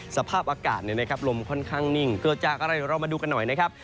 สภาพอากาศเนี่ยนะครับลมค่อนข้างนิ่งเพื่อจากอะไรเรามาดูกันหน่อยนะครับ